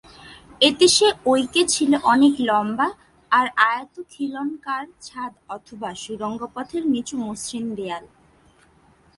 এতে সে ঐকেছিল অনেক লম্বা আর আয়ত খিলানকরা ছাদ অথবা সুড়ঙ্গপথের নিচু মসৃণ দেয়াল।